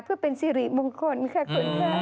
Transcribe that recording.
เพื่อเป็นสิริมงคลค่ะคุณค่ะ